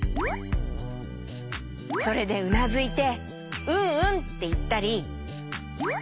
それでうなずいて「うんうん」っていったり。